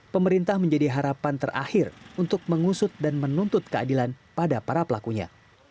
pemerintah menjadi harapan terakhir untuk mengusut dan menuntut keadilan pada para pelakunya